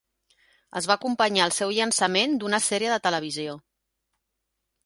Es va acompanyar el seu llançament d'una sèrie de televisió.